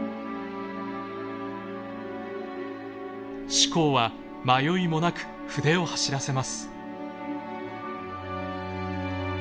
志功は迷いもなく筆を走らせます。